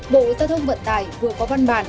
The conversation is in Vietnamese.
bộ giao thông vận tài vừa có văn bản